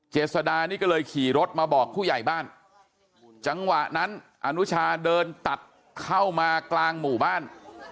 เจษดานี่ก็เลยขี่รถมาบอกผู้ใหญ่บ้านจังหวะนั้นอนุชาเดินตัดเข้ามากลางหมู่บ้าน